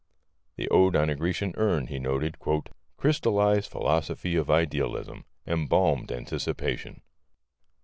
The Ode on a Grecian Urn, he noted: "Crystallized philosophy of idealism. Embalmed anticipation."